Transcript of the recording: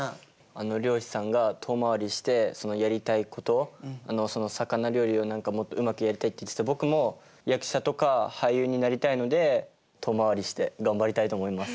あの漁師さんが遠回りをしてやりたいこと魚料理をもっとうまくやりたいって言ってて僕も役者とか俳優になりたいので遠回りして頑張りたいと思います。